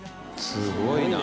すごいな。